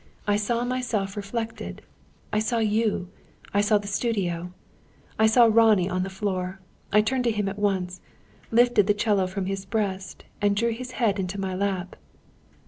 I saw myself reflected, I saw you, I saw the studio; I saw Ronnie on the floor. I turned to him at once, lifted the 'cello from his breast, and drew his head into my lap."